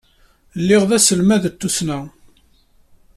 Lliɣ d aselmad n tussna.